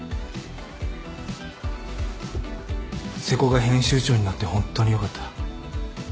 瀬古が編集長になってホントによかった。